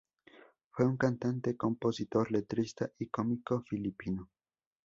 Fue un cantante, compositor, letrista, y cómico filipino.